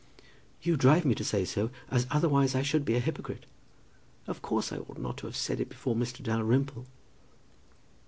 "You drive me to say so, as otherwise I should be a hypocrite. Of course I ought not to have said it before Mr. Dalrymple."